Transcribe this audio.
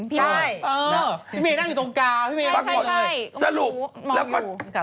พี่เมย์นั่งอยู่ตรงกาพี่เมย์นั่งอยู่ตรงนี้